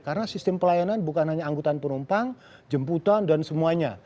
karena sistem pelayanan bukan hanya anggutan penumpang jemputan dan semuanya